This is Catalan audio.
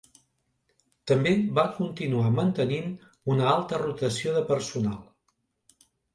També va continuar mantenint una alta rotació de personal.